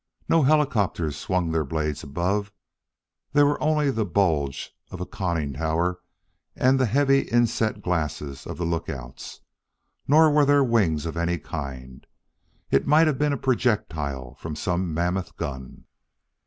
No helicopters swung their blades above; there were only the bulge of a conning tower and the heavy inset glasses of the lookouts. Nor were there wings of any kind. It might have been a projectile for some mammoth gun.